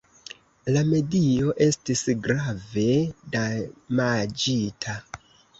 La medio estis grave damaĝita.